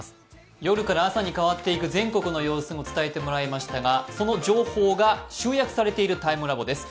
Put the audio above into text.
夜から朝に変わっていく全国の情報を伝えてもらいましたがその情報が集約されているＴＩＭＥＬＡＢＯです。